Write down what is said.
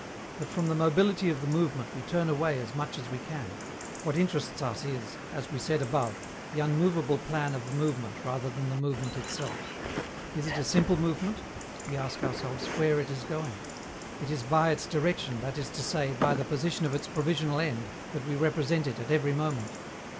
But from the mobility of the movement we turn away as much as we can; what interests us is, as we said above, the unmovable plan of the movement rather than the movement itself. Is it a simple movement? We ask ourselves where it is going. It is by its direction, that is to say, by the position of its provisional end, that we represent it at every moment.